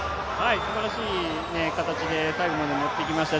すばらしい形で最後まで持ってきました。